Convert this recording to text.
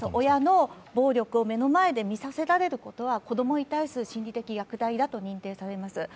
親の暴力を目の前で見させられることは子供に対する心理的虐待だと認定されます。